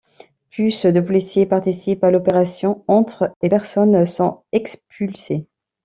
Plus de policiers participent à l'opération, entre et personnes sont expulsées.